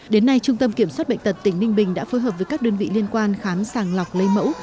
đến nay trung tâm kiểm soát bệnh tật tỉnh ninh bình đã phối hợp với các đơn vị liên quan khám sàng lọc lấy mẫu